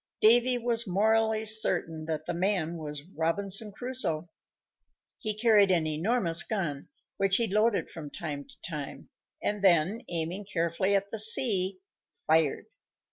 Davy was morally certain that the man was Robinson Crusoe. He carried an enormous gun, which he loaded from time to time, and then, aiming carefully at the sea, fired.